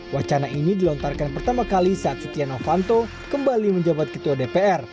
wacana ini dilontarkan pertama kali saat setia novanto kembali menjabat ketua dpr